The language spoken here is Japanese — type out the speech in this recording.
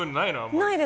ないです。